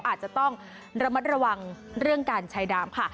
อาจจะต้องระมัดระวังเรื่องการใช้ดามค่ะ